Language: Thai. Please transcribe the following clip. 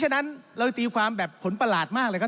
ท่านประธานก็เป็นสอสอมาหลายสมัย